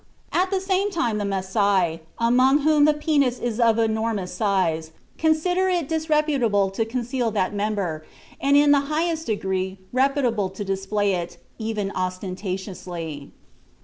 At the same time the Masai, among whom the penis is of enormous size, consider it disreputable to conceal that member, and in the highest degree reputable to display it, even ostentatiously.